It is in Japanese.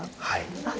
はい。